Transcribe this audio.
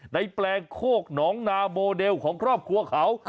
แปลงโคกหนองนาโมเดลของครอบครัวเขา